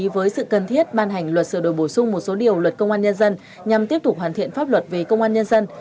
với sự cần thiết ban hành luật sửa đổi bổ sung một số điều luật công an nhân dân nhằm tiếp tục hoàn thiện pháp luật về công an nhân dân